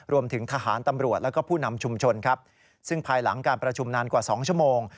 รวมถึงทหารตำรวจแล้วก็ผู้นำชุมชนครับซึ่งภายหลังการประชุมนานกว่า๒ชั่วโมง